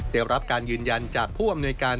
ได้รับการยืนยันจากผู้อำนวยการ